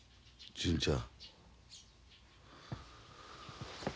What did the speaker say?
純ちゃん。